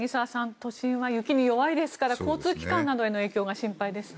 都心は雪に弱いですから交通機関などへの影響が心配ですね。